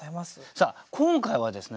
さあ今回はですね